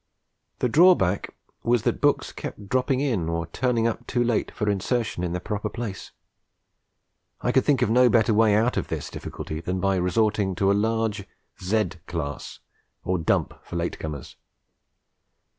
The drawback was that books kept dropping in or turning up too late for insertion in their proper places. I could think of no better way out of this difficulty than by resorting to a large Z class, or dump, for late comers.